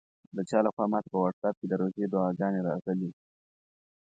د چا لخوا ماته په واټساپ کې د روژې دعاګانې راغلې.